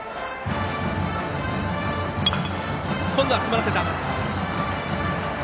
今度は詰まらせた。